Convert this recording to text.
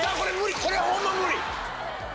これホンマ無理。